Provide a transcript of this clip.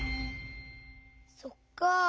そっか。